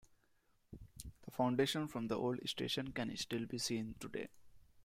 The foundation from the old station can still be seen today.